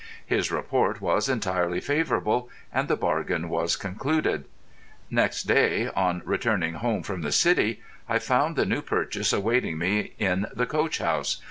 His report was entirely favourable, and the bargain was concluded. Next day, on returning home from the City, I found the new purchase awaiting me in the coach house.